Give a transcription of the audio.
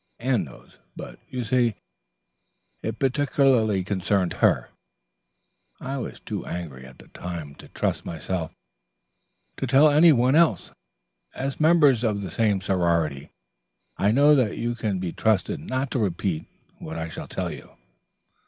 Anne knows, but, you see, it particularly concerned her. I was too angry at the time to trust myself to tell any one else. As members of the same sorority, I know that you can be trusted not to repeat what I shall tell you."